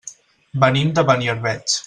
Venim de Beniarbeig.